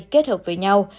kết hợp với nhau